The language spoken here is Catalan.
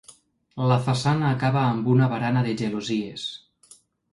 La façana acaba amb una barana de gelosies.